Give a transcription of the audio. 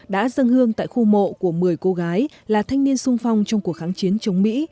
đã dâng hương tại khu mộ của một mươi cô gái là thanh niên sung phong trong cuộc kháng chiến chống mỹ